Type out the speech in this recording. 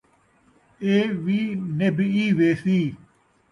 اے وی نبھ ءِی ویسی